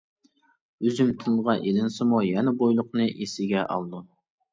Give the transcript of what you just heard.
ئۈزۈم تىلغا ئېلىنسىمۇ يەنە بويلۇقنى ئېسىگە ئالىدۇ.